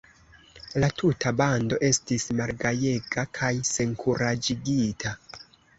La tuta bando estis malgajega kaj senkuraĝigita.